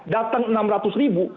datang enam ratus ribu